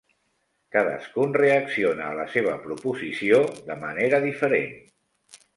Cadascun reacciona a la seva proposició de manera diferent.